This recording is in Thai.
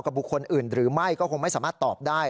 บุคคลอื่นหรือไม่ก็คงไม่สามารถตอบได้